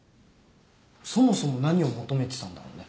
そもそも何を求めてたんだろうね。